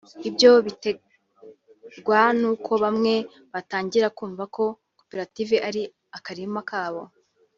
ibyo bigaterwa n’uko bamwe batangira kumva ko koperative ari akarima kabo